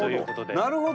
なるほど。